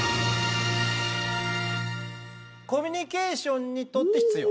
コミュニケーションにとって必要？